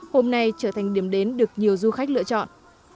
hôm nay trở thành điểm đến được nhiều du khách lựa chọn